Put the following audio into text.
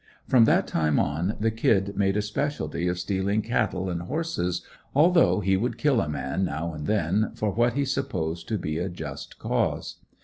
From that time on, the "Kid" made a specialty of stealing cattle and horses, although he would kill a man now and then, for what he supposed to be a just cause.